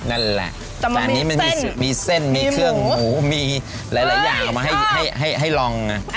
นั่นแหละแต่มันมีเส้นมีเครื่องหมูมีหลายหลายอย่างออกมาให้ให้ให้ลองอ่ะ